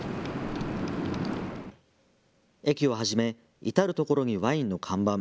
駅をはじめ至る所にワインの看板。